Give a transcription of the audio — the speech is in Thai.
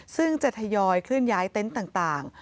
ซึ่งจะทยอยเคลื่อนย้ายเต็นต์ต่าง